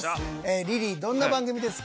リリーどんな番組ですか？